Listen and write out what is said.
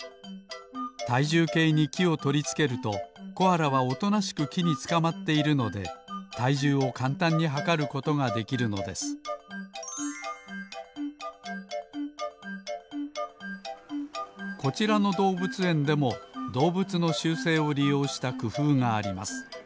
たいじゅうけいにきをとりつけるとコアラはおとなしくきにつかまっているのでたいじゅうをかんたんにはかることができるのですこちらのどうぶつえんでもどうぶつの習性をりようしたくふうがあります。